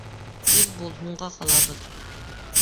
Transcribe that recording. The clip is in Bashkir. Тиҙ бул, һуңға ҡалабыҙ!